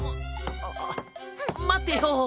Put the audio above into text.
あっまってよ！